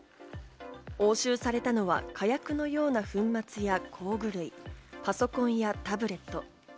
押収されたのは火薬のような粉末や工具類、パソコンやタブレット。